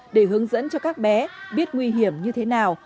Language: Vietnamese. để hướng dẫn cho các bé biết nguy hiểm như thế nào